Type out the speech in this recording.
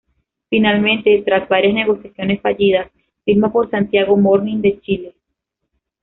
Finalmente, tras varias negociaciones fallidas, firma por Santiago Morning de Chile.